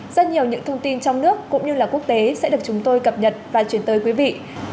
rất nhiều những thông tin trong nước cũng như là quốc tế sẽ được chúng tôi cập nhật và truyền tới quý vị